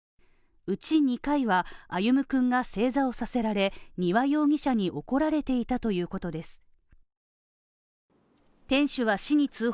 うち２回は歩夢君が正座をさせられ、丹羽容疑者に怒られていたということです。